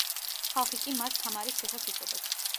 ხალხი კი მას თამარის ციხეს უწოდებს.